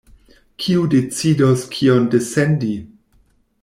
Kiu decidos kion dissendi?